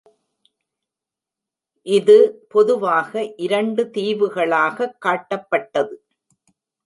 இது பொதுவாக இரண்டு தீவுகளாக காட்டப்பட்டது.